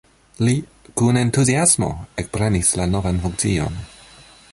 Li kun entuziasmo ekprenis la novan funkcion.